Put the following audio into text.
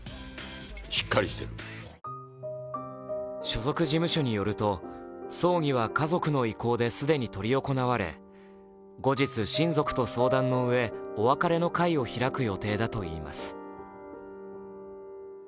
所属事務所によると、葬儀は家族の意向で既に執り行われ後日、親族と相談のうえ、お別れの会を開く予定だといいます。